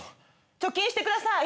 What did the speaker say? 貯金してください